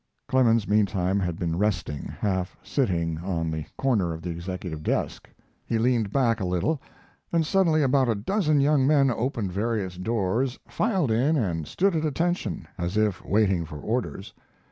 Clemens meantime had been resting, half sitting, on the corner of the Executive desk. He leaned back a little, and suddenly about a dozen young men opened various doors, filed in and stood at attention, as if waiting for orders.